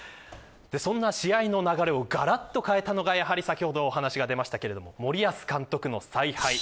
そんな試合の流れをがらっと変えたのがやはり、先ほどお話が出ました森保監督の采配。